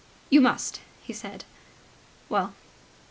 "You must," he said. "Well